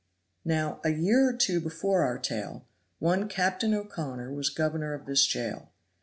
Now, a year or two before our tale, one Captain O'Connor was governor of this jail.